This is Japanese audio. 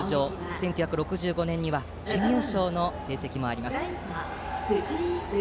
１９６５年には準優勝の成績もあります。